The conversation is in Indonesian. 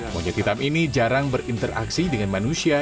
monyet hitam ini jarang berinteraksi dengan manusia